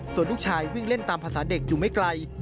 ส่วนลูกชายวิ่งเล่นตามภาษาเด็กอยู่ไม่ไกล